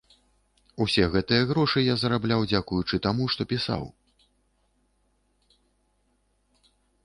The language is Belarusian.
Усе гэтыя грошы я зарабляў дзякуючы таму, што пісаў.